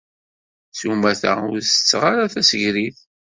S umata, ur setteɣ ara tasegrit.